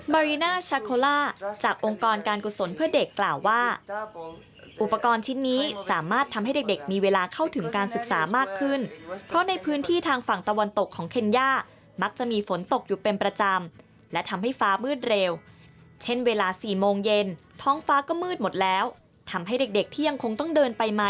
อริน่าชาโคล่าจากองค์กรการกุศลเพื่อเด็กกล่าวว่าอุปกรณ์ชิ้นนี้สามารถทำให้เด็กมีเวลาเข้าถึงการศึกษามากขึ้นเพราะในพื้นที่ทางฝั่งตะวันตกของเคนย่ามักจะมีฝนตกอยู่เป็นประจำและทำให้ฟ้ามืดเร็วเช่นเวลา๔โมงเย็นท้องฟ้าก็มืดหมดแล้วทำให้เด็กเด็กที่ยังคงต้องเดินไปมา